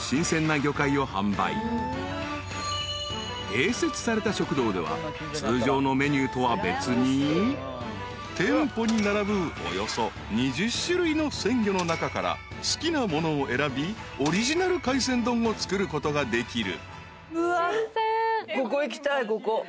［併設された食堂では通常のメニューとは別に店舗に並ぶおよそ２０種類の鮮魚の中から好きなものを選びオリジナル海鮮丼を作ることができる］